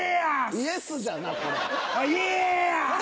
イエスじゃなこれ。